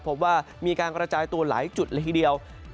พบว่ามีการกระจายตัวหลายจุดเลยทีเดียว